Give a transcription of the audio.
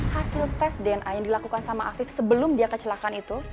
hasil tes dna yang dilakukan sama afif sebelum dia kecelakaan itu